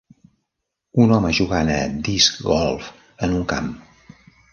Un home jugant a disc golf en un camp.